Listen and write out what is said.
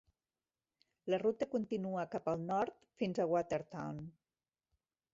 La ruta continua cap al nord fins a Watertown.